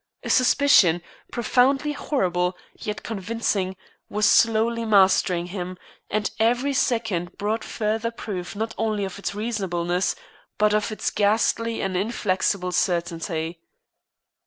A suspicion profoundly horrible, yet convincing was slowly mastering him, and every second brought further proof not only of its reasonableness, but of its ghastly and inflexible certainty.